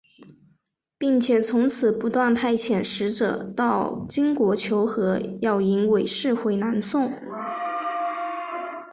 并且从此不断派遣使者到金国求和要迎韦氏回南宋。